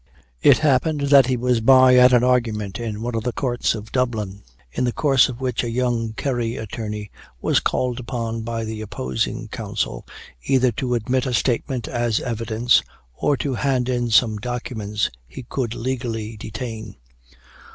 It happened that he was by at an argument in one of the courts of Dublin, in the course of which a young Kerry attorney was called upon by the opposing counsel, either to admit a statement as evidence, or to hand in some documents he could legally detain.